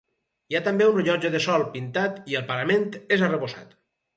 Hi ha també un rellotge de sol pintat i el parament és arrebossat.